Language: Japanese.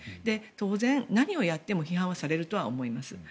当然、何をやっても批判されるとは思います。